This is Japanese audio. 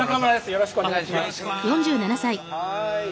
よろしくお願いします。